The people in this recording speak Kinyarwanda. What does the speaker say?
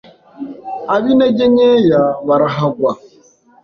Ab’intege nkeya barahagwa